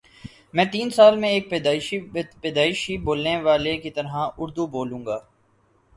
میں تین سال میں ایک پیدائشی بولنے والے کی طرح اردو بولوں گا